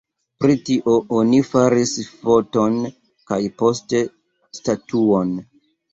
Pri tio oni faris foton kaj poste statuon.